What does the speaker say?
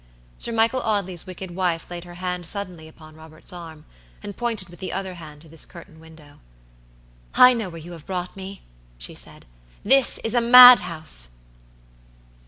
Sir Michael Audley's wicked wife laid her hand suddenly upon Robert's arm, and pointed with the other hand to this curtained window. "I know where you have brought me," she said. "This is a MAD HOUSE."